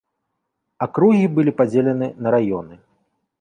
Акругі былі падзелены на раёны.